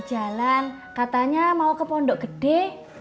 jalan katanya mau ke pondok gede